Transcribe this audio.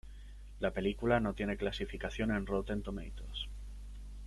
La película no tiene clasificación en Rotten Tomatoes.